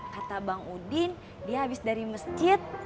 kata bang udin dia abis dari mesjid